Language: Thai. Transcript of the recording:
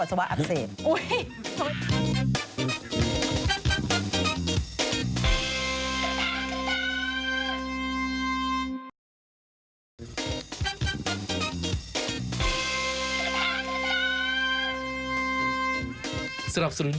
ห้าหัวมันก็ต้องแรงนิดหนึ่งช่วงหน้ามาดูนะ